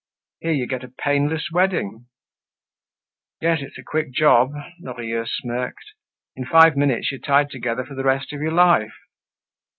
Here you get a painless wedding!" "Yes, it's a quick job," Lorilleux smirked. "In five minutes you're tied together for the rest of your life.